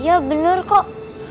iya benar kok